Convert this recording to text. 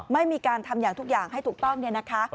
ไม่มีการทำอย่างทุกอย่างให้ถูกต้องเนี่ยนะคะ